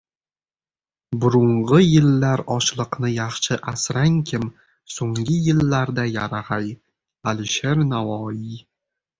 Burung‘i yillar oshliqni yaxshi asrangkim, so‘nggi yillarda yarag‘ay. Alisher Navoiy